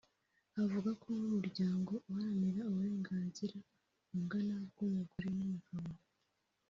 Avuga ko nk’umuryango uharanira uburenganzira bungana bw’umugore n’umugabo